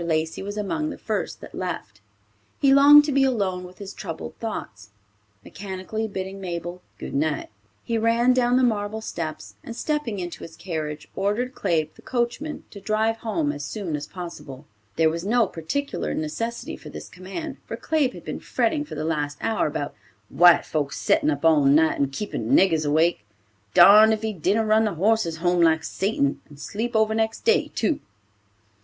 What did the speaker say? Lacey was among the first that left. He longed to be alone with his troubled thoughts. Mechanically bidding Mabel "Good night," he ran down the marble steps, and stepping into his carriage, ordered Claib, the coachman, to drive home as soon as possible. There was no particular necessity for this command, for Claib had been fretting for the last hour about "White folks settin' up all night and keepin' niggers awake. Darned if he didn't run the horses home like Satan, and sleep over next day, too."